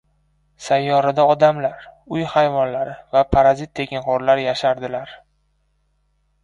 Sayyorada odamlar, uy hayvonlari va parazit-tekinxo‘rlar yashardilar.